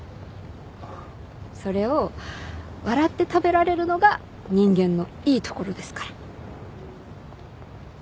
それを笑って食べられるのが人間のいいところですから。